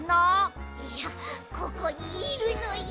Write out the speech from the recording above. いやここにいるのよ